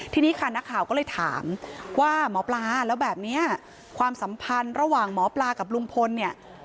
ทีนี้ค่ะนักข่าวก็เลยถามว่าหมอปลาแล้วแบบนี้ความสัมพันธ์ระหว่างหมอปลากับลุงพลเนี่ย